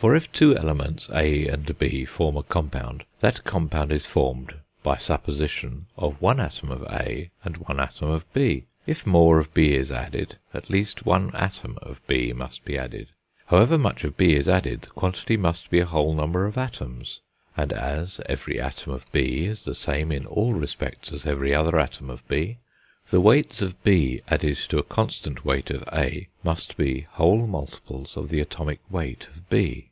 For if two elements, A and B, form a compound, that compound is formed, by supposition, of one atom of A and one atom of B; if more of B is added, at least one atom of B must be added; however much of B is added the quantity must be a whole number of atoms; and as every atom of B is the same in all respects as every other atom of B, the weights of B added to a constant weight of A must be whole multiples of the atomic weight of B.